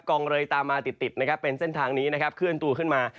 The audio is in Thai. องเลยตามมาติดนะครับเป็นเส้นทางนี้นะครับเคลื่อนตัวขึ้นมา